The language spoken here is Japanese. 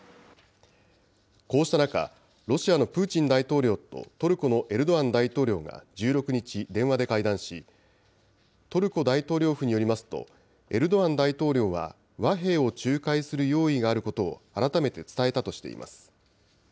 こうした中、ロシアのプーチン大統領とトルコのエルドアン大統領が１６日、電話で会談し、トルコ大統領府によりますと、エルドアン大統領は和平を仲介する用意があることを改めて伝えたとしています。